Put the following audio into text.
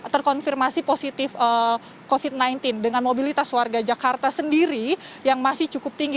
terkonfirmasi positif covid sembilan belas dengan mobilitas warga jakarta sendiri yang masih cukup tinggi